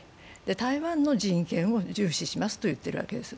台湾の人権を重視しますと言っているわけです。